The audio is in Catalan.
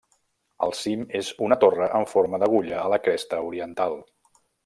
El cim és una torre en forma d'agulla a la cresta oriental.